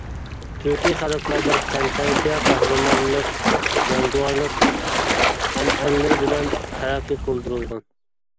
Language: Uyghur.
تۈركىي خەلقلەردە تەنتەربىيە قەھرىمانلىق، جەڭگىۋارلىق ئەنئەنىلىرى بىلەن تەرەققىي قىلدۇرۇلغان.